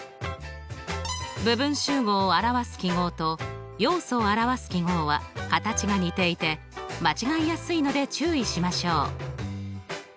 部分集合を表す記号と要素を表す記号は形が似ていて間違いやすいので注意しましょう。